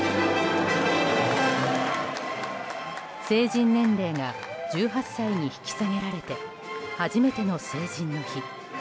成人年齢が１８歳に引き下げられて初めての成人の日。